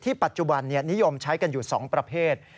ปัจจุบันนิยมใช้กันอยู่๒ประเภท